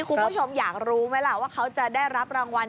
คุณผู้ชมอยากรู้ไหมล่ะว่าเขาจะได้รับรางวัล